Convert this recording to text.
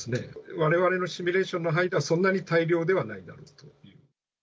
われわれのシミュレーションの範囲では、そんなに大量ではないだろうと。